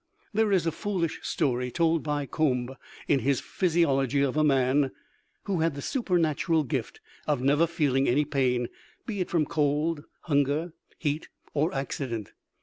There is a foolish story told by COMBE in his Physiology of a man who had the supernatural gift of never feeling any pain, be it from cold, hunger, heat, or accident.